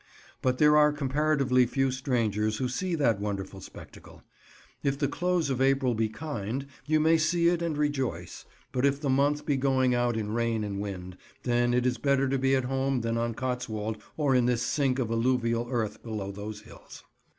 But there are comparatively few strangers who see that wonderful spectacle. If the close of April be kind, you may see it and rejoice, but if the month be going out in rain and wind, then it is better to be at home than on Cotswold or in this sink of alluvial earth below those hills.